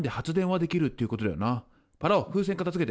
パラオ風船片づけて。